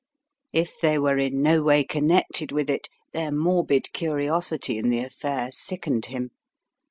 If they were in no way connected with it, their morbid curiosity in the affair sickened him.